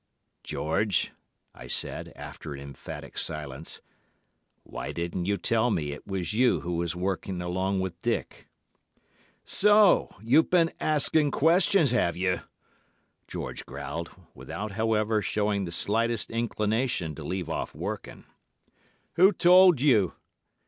"'George,' I said, after an emphatic silence, 'why didn't you tell me it was you who was working along with Dick?' "'So you've been asking questions, have you?' George growled, without, however, showing the slightest inclination to leave off working. 'Who told you?